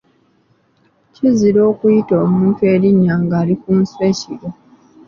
Kizira okuyita omuntu erinnya ng’ali ku nswa ekiro.